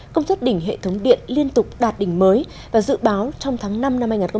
công suất đỉnh hệ thống điện liên tục đạt đỉnh mới và dự báo trong tháng năm năm hai nghìn hai mươi bốn